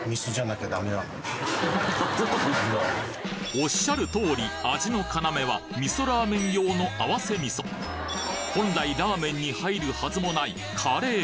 おっしゃる通り味の要は味噌ラーメン用の本来ラーメンに入るはずもない